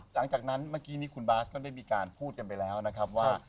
หลังจากนั้นคุณบาสก็ได้มีการพูดกันไปแล้วนะครับว่า